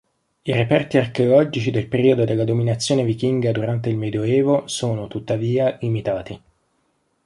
I reperti archeologici del periodo della dominazione vichinga durante il Medioevo sono, tuttavia, limitati.